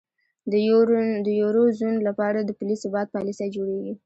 د یورو زون لپاره د پولي ثبات پالیسۍ جوړیږي.